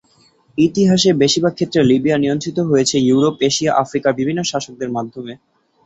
ইতিহাসের বেশিরভাগ ক্ষেত্রে, লিবিয়া নিয়ন্ত্রিত হয়েছে ইউরোপ, এশিয়া এবং আফ্রিকার বিভিন্ন শাসকদের মাধ্যমে।